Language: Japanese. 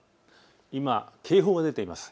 今、警報が出ています。